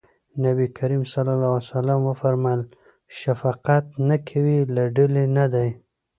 نبي کريم ص وفرمایل شفقت نه کوي له ډلې نه دی.